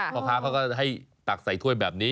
พ่อค้าเขาก็ให้ตักใส่ถ้วยแบบนี้